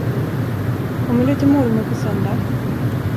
Kommer du till mormor på söndag?